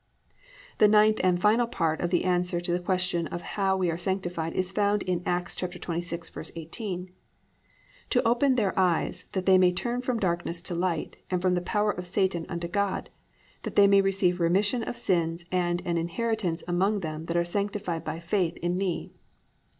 9. The ninth and final part of the answer to the question of how we are sanctified, is found in Acts 26:18, +"To open their eyes, that they may turn from darkness to light and from the power of Satan unto God, that they may receive remission of sins and an inheritance among them that are sanctified by faith in Me."